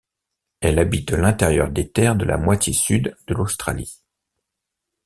Elle habite l'intérieur des terres de la moitié Sud de l'Australie.